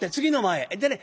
でね